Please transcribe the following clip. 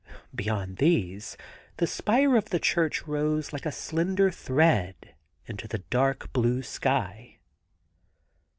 Beyond these, the spire of the church rose like a slender thread into the dark blue sky.